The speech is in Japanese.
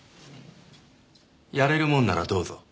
やれるもんならどうぞ。